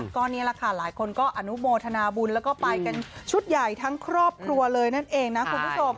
ก็นี่แหละค่ะหลายคนก็อนุโมทนาบุญแล้วก็ไปกันชุดใหญ่ทั้งครอบครัวเลยนั่นเองนะคุณผู้ชม